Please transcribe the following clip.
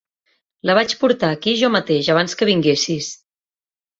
La vaig portar aquí jo mateix abans que vinguessis.